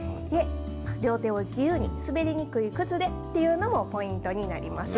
両手を自由に、滑りにくい靴でっていうのもポイントになります。